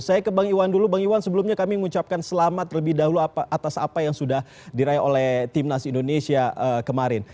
saya ke bang iwan dulu bang iwan sebelumnya kami mengucapkan selamat terlebih dahulu atas apa yang sudah diraih oleh timnas indonesia kemarin